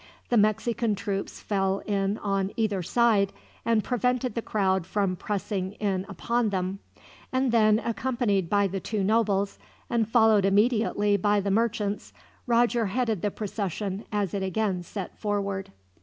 The Mexican troops fell in on either side, and prevented the crowd from pressing in upon them; and then, accompanied by the two nobles, and followed immediately by the merchants, Roger headed the procession as it again set forward.